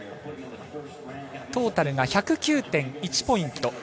トータルが１０９．１ポイント。